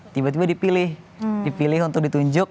tiba tiba dipilih dipilih untuk ditunjuk